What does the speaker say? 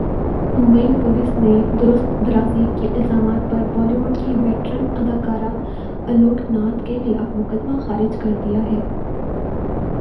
Mumbai police نے درست درازی کے الزامات پر بالی وڈ کے ویٹرن اداکار الوک ناتھ کے خلاف مقدمہ خارج کردیا ہے